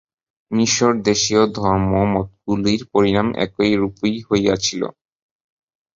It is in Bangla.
মিশরদেশীয় ধর্মমতগুলির পরিণাম এইরূপই হইয়াছিল।